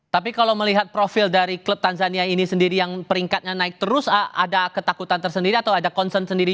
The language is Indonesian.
tapi kalau melihat profil dari klub tanzania ini sendiri yang peringkatnya naik terus ada ketakutan tersendiri atau ada concern sendiri